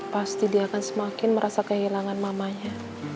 pasti dia akan semakin merasa kehilangan mamanya